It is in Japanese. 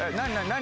何？